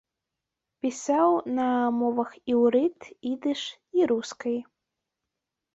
Пісаў на мовах іўрыт, ідыш і рускай.